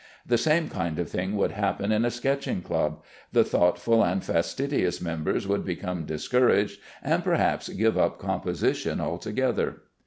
The same kind of thing would happen in a sketching club; the thoughtful and fastidious members would become discouraged, and perhaps give up composition altogether.